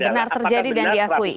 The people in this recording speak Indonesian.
benar terjadi dan diakui